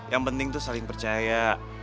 yang penting tuh saling percaya